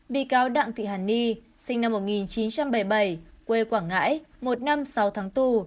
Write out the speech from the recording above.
bị cáo đặng thị hàn ni sinh năm một nghìn chín trăm bảy mươi bảy quê quảng ngãi một năm sáu tháng tù